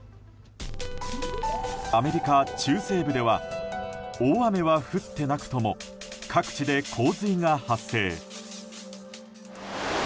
アメリカ中西部では大雨は降っていなくとも各地で洪水が発生。